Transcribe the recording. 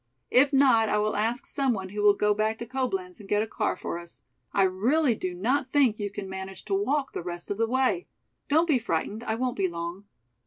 If not I will ask some one who will go back to Coblenz and get a car for us. I really do not think you can manage to walk the rest of the way. Don't be frightened, I won't be long."